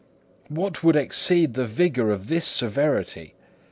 What would exceed the rigour of this severity?